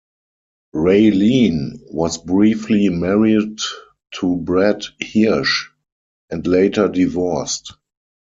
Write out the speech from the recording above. Raylene was briefly married to Brad Hirsch and later divorced.